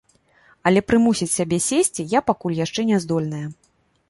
Але прымусіць сябе сесці я пакуль яшчэ не здольная.